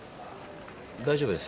大丈夫です。